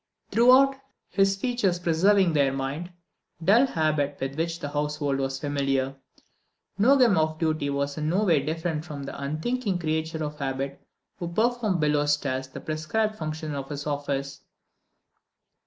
Throughout, his features preserved their mild, subdued, dull habit with which the household was familiar. Nogam off duty was in no way different from the unthinking creature of habit who performed belowstairs the prescribed functions of his office.